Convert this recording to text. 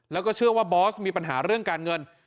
แล้วก็เชื่อว่าบอสมีปัญหาเรื่องการเงิน